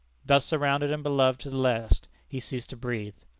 Thus surrounded and beloved to the last, he ceased to breathe.